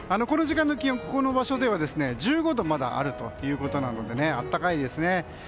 この時間の気温この場所では１５度まだあるということなので暖かいですね。